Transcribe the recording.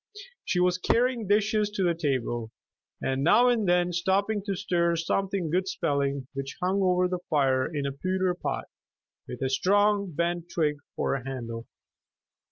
She was carrying dishes to the table, and now and then stopping to stir something good smelling which hung over the fire in a pewter pot, with a strong bent twig for a handle.